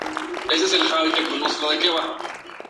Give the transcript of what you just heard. Educado en el Instituto Nacional.